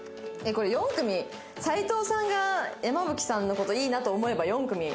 えっこれ４組斉藤さんが山吹さんの事いいなと思えば４組。